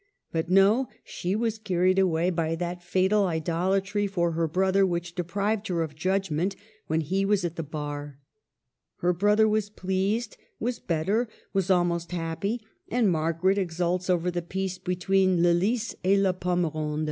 But no ; she was car ried away by that fatal idolatry for her brother which deprived her of judgment when he was at the bar. Her brother was pleased, was better, was almost happy, and Margaret exults over the peace between *' le lys et la pomme ronde."